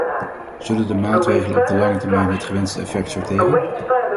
Zullen de maatregelen op de lange termijn het gewenste effect sorteren?